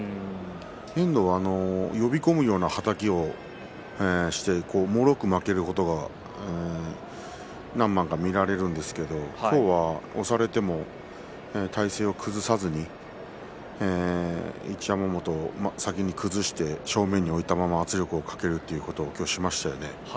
遠藤は呼び込むようなはたきをしてもろく負けることが何番か見られるんですけれど今日は押されても体勢を崩さずに一山本を先に崩して正面に置いたまま圧力をかけるということを今日しましたね。